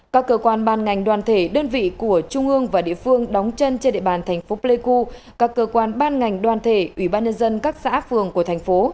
các cơ quan ban ngành đoàn thể đơn vị của trung ương và địa phương đóng chân trên địa bàn thành phố pleiku các cơ quan ban ngành đoàn thể ủy ban nhân dân các xã phường của thành phố